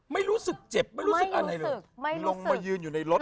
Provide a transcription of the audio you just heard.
ไม่รู้สึกเจ็บไม่รู้สึกอะไรเลยลงมายืนอยู่ในรถ